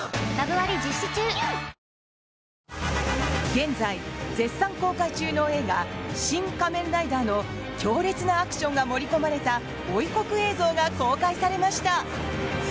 現在、絶賛公開中の映画「シン・仮面ライダー」の強烈なアクションが盛り込まれた追告映像が公開されました。